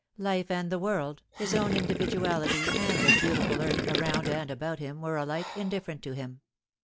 Life and the world, his own indi viduality and the beautiful earth around and about him were alike indifferent to him.